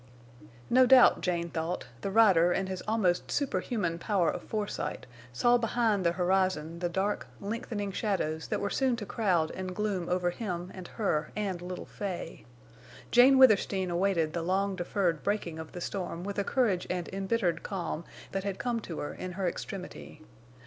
No doubt, Jane thought, the rider, in his almost superhuman power of foresight, saw behind the horizon the dark, lengthening shadows that were soon to crowd and gloom over him and her and little Fay. Jane Withersteen awaited the long deferred breaking of the storm with a courage and embittered calm that had come to her in her extremity.